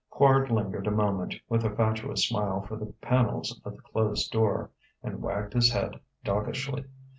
Quard lingered a moment, with a fatuous smile for the panels of the closed door, and wagged his head doggishly.